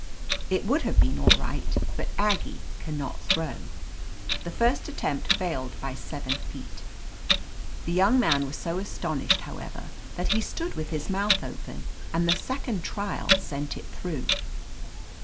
It would have been all right, but Aggie can \ not throw. The first attempt failed by seven feet. The young man was so astonished, how ever, that he stood with his mouth open, and the second trial sent it through.